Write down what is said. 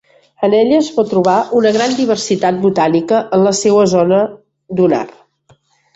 En ella es pot trobar una gran diversitat botànica en la seua zona dunar.